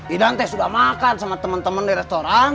idan teh sudah makan sama temen temen di restoran